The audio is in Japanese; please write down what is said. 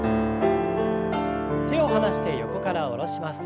手を離して横から下ろします。